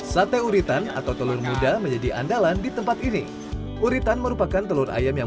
sate uritan atau telur muda menjadi andalan di tempat ini uritan merupakan telur ayam yang